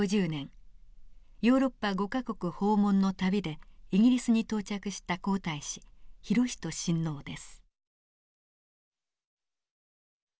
ヨーロッパ５か国訪問の旅でイギリスに到着した皇太子裕仁親王です。